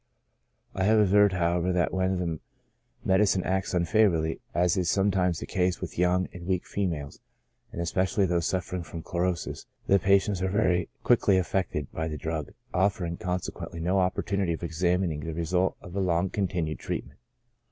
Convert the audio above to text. I have observed, however, that when the me dicine acts unfavorably, as is sometimes the case with young and weak females, and especially those suff'ering from chlorosis, the patients are very quickly affected by the drug, off'ering, consequently, no opportunity of examining the re sult of a long continued treatment.